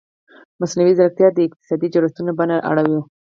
مصنوعي ځیرکتیا د اقتصادي جوړښتونو بڼه اړوي.